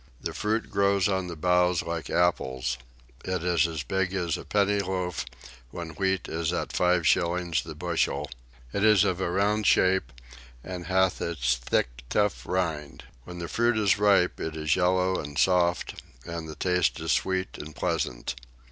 The fruit grows on the boughs like apples; it is as big as a penny loaf when wheat is at five shillings the bushel; it is of a round shape, and hath a thick tough rind. When the fruit is ripe it is yellow and soft, and the taste is sweet and pleasant.